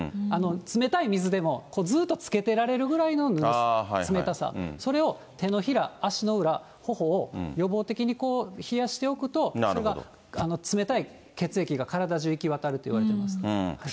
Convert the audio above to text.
冷たい水でも、ずっとつけてられるぐらいの冷たさ、それを手のひら、足の裏、ほほを、予防的にこう、冷やしておくと、それが冷たい血液が体中行きわたると言われてます。